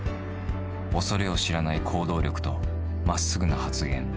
恐れを知らない行動力とまっすぐな発言。